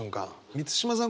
満島さん